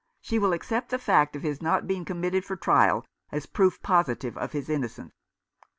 She will accept the fact of his not being committed for trial as proof positive of his innocence."